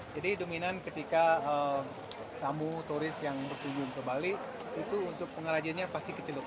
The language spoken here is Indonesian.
jadi dominan ketika tamu turis yang berkunjung ke bali itu untuk pengrajinnya pasti ke celuk